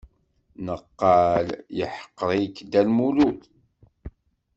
Naqal yeḥqer-ik Dda Lmulud.